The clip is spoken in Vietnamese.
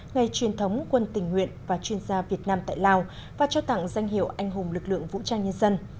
ngày truyền thống quân tình nguyện và chuyên gia việt nam tại lào và trao tặng danh hiệu anh hùng lực lượng vũ trang nhân dân